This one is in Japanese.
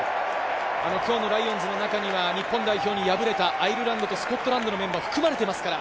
今日のライオンズの中には日本代表に敗れたアイルランドとスコットランドのメンバーが含まれていますから。